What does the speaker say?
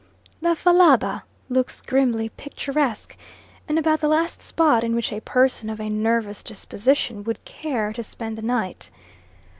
The Fallaba looks grimly picturesque, and about the last spot in which a person of a nervous disposition would care to spend the night.